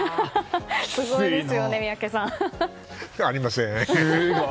すごいですよね、宮家さん。ありません。